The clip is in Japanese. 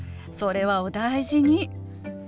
それはお大事に。